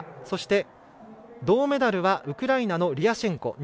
そして銅メダルはウクライナのリアシェンコ。